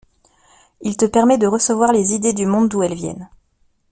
Il te permet de recevoir les idées du monde d’où elles viennent.